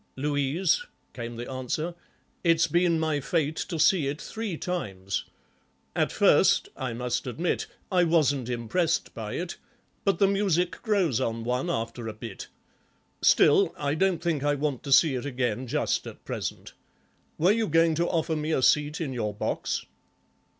"'Louise,'" came the answer, "it's been my fate to see it three times. At first, I must admit, I wasn't impressed by it, but the music grows on one after a bit. Still, I don't think I want to see it again just at present. Were you going to offer me a seat in your box?"